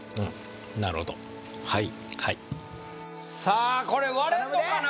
なるほどはいはいさあこれ割れんのかな？